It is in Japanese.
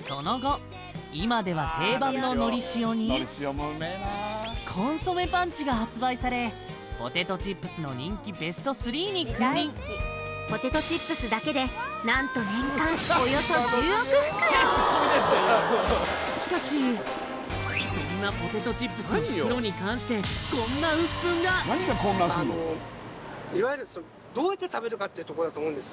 その後今では定番ののりしおにコンソメパンチが発売されポテトチップスの人気ベスト３に君臨ポテトチップスだけで何と年間およそ１０億袋そんなポテトチップスの袋に関してこんなウップンがあのいわゆるそのどうやって食べるかっていうとこだと思うんですよ